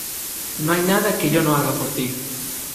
No hay nada que yo no haga por tí.